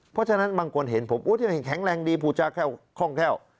เพราะฉะนั้นบางคนเห็นผมอุ๊ยแข็งแรงพูจารโค่งแท้ว